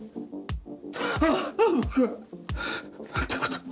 ああっ僕はなんてことを。